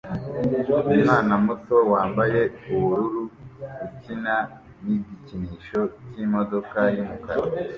Umwana muto wambaye ubururu ukina nigikinisho cyimodoka yumukara